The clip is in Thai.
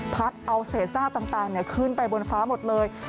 พัดเอาเสร็จหน้าต่างขึ้นไปบนฟ้าหมดเลย